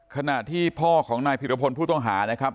ขณะที่พ่อของนายพิรพลผู้ต้องหานะครับ